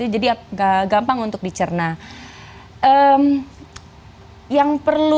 jadi agak gampang untuk diceritakan